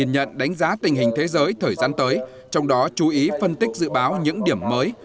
nhận đánh giá tình hình thế giới thời gian tới trong đó chú ý phân tích dự báo những điểm mới